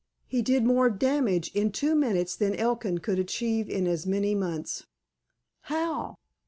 He did more damage in two minutes than Elkin could achieve in as many months." "How?"